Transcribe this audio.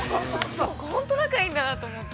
本当仲がいいんだなと思って。